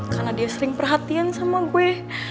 karena dia sering perhatian sama gue